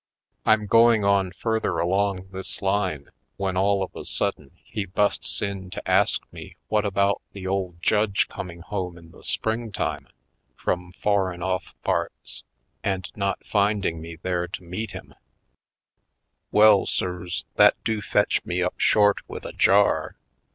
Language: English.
I'm going on further along this line when all of a sudden he busts in to ask me what about the old judge coming home in the spring time from foreign oft" parts and not finding me there to meet him? Headed Home 257 Well, sirs, that do fetch me up short with a jar!